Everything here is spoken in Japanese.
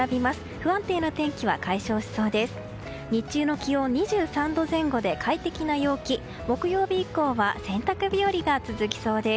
不安定な天気は解消しそうです。